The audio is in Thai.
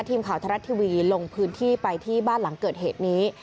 ทีมข่าวไทยรัฐทีวีลงพื้นที่ไปที่บ้านหลังเกิดเหตุนี้